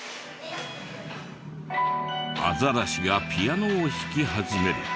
アザラシがピアノを弾き始めると。